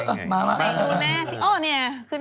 นี่ดูแม่สิขึ้นมาแล้วลูก